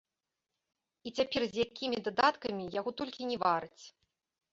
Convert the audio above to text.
І цяпер з якімі дадаткамі яго толькі не вараць.